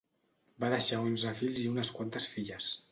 Va deixar onze fills i unes quantes filles.